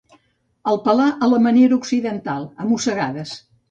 El pelà a la manera occidental, a mossegades.